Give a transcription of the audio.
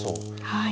はい。